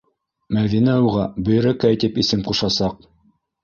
Мәҙинә уға Бөйрәкәй тип исем ҡушасаҡ.